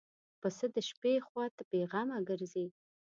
پسه د شپې خوا ته بېغمه ګرځي.